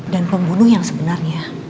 dan pembunuh yang sebenarnya